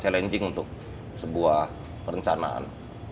challenging untuk sebuah rencanaan